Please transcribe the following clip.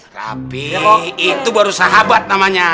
tapi loh itu baru sahabat namanya